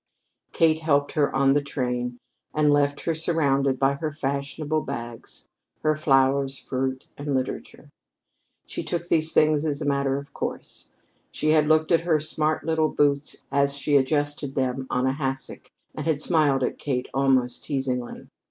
Kate helped her on the train, and left her surrounded by her fashionable bags, her flowers, fruit, and literature. She took these things as a matter of course. She had looked at her smart little boots as she adjusted them on a hassock and had smiled at Kate almost teasingly.